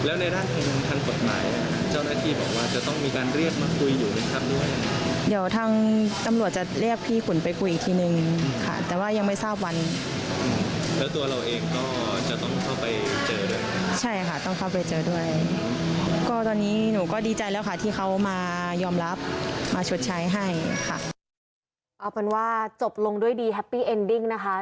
เอาเป็นว่าจบลงด้วยดีแฮปปี้เอ็นดิ้งนะคะ